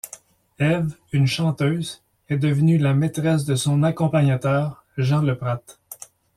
Eve, une chanteuse, est devenue la maîtresse de son accompagnateur, Jean Le Prat.